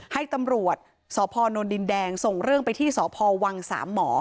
ให้ตำรวจสพนดินแดงส่งเรื่องไปที่สพวังสามหมอ